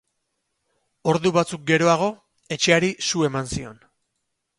Ordu batzuk geroago etxeari su eman zion.